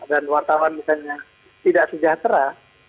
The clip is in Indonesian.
dan wartawan misalnya tidak sejahtera